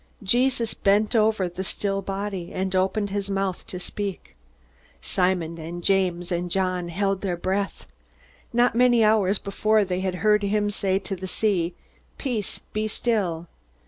Jesus bent over the still body, and opened his mouth to speak. Simon and James and John held their breath. Not many hours before, they had heard him say to the sea, "Peace, be still."